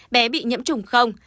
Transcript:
bé bị nhiễm trùng không